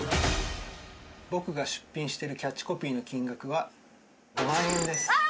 僕が出品してるキャッチコピーの金額は。